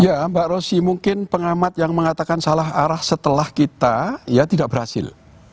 ya mbak rosy mungkin pengamat yang mengatakan salah arah setelah kita ya tidak berhasil